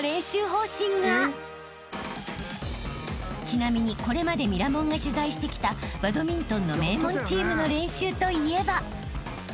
［ちなみにこれまで『ミラモン』が取材してきたバドミントンの名門チームの練習といえば］